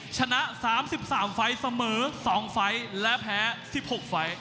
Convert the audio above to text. ชนะ๓๓ไฟเสมอ๒ไฟและแพ้๑๖ไฟ